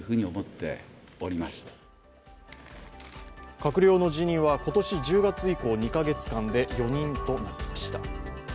閣僚の辞任は今年１０月以降、２か月間で４人となりました。